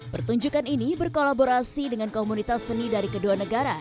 pertunjukan ini berkolaborasi dengan komunitas seni dari kedua negara